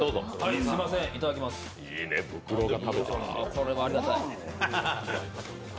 これはありがたい。